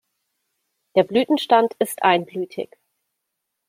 Der Blütenstand ist einblütig.